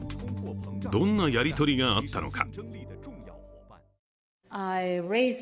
どんなやり取りがあったのか。